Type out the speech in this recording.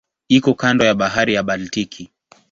Iko kando ya Bahari ya Baltiki.